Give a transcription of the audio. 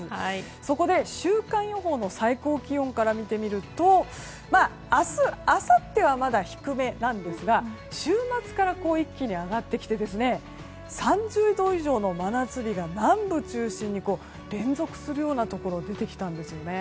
そこで週間予報の最高気温から見てみると、明日あさってはまだ低めなんですが週末から一気に上がってきて３０度以上の真夏日が南部中心に連続するようなところ出てきたんですね。